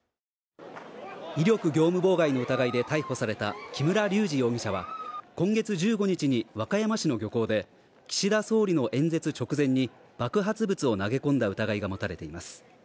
威力業務妨害の疑いで逮捕された木村隆二容疑者は、今月１５日に和歌山市の漁港で岸田総理の演説直前に爆発物を投げ込んだ疑いが持たれています。